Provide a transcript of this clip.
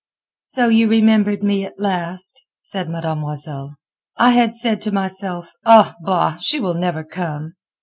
"So you remembered me at last," said Mademoiselle. "I had said to myself, 'Ah, bah! she will never come.